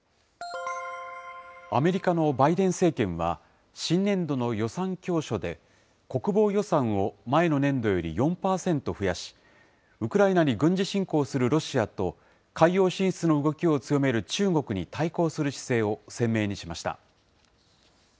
アメリカのバイデン政権は、新年度の予算教書で、国防予算を前の年度より４％増やし、ウクライナに軍事侵攻するロシアと、海洋進出の動きを強める中国に対抗する姿勢を鮮明にしました。